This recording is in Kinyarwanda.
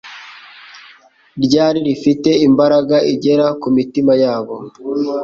ryari rifite imbaraga igera ku mitima yabo